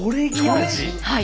はい。